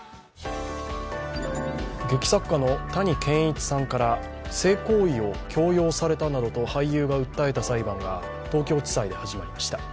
劇作家の谷賢一さんから性行為を強要されたなどと俳優が訴えた裁判が東京地裁で始まりました。